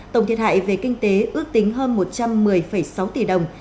tổng thiệt hại về kinh tế ước tính hơn một trăm một mươi sáu tỷ đồng